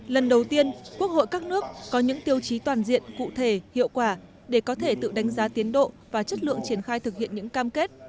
lần đầu tiên quốc hội các nước có những tiêu chí toàn diện cụ thể hiệu quả để có thể tự đánh giá tiến độ và chất lượng triển khai thực hiện những cam kết